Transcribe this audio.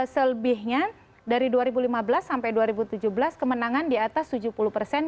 selebihnya dari dua ribu lima belas sampai dua ribu tujuh belas kemenangan di atas tujuh puluh persen